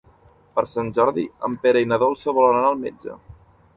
Per Sant Jordi en Pere i na Dolça volen anar al metge.